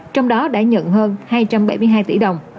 trong đó đã nhận hơn hai trăm bảy mươi hai tỷ đồng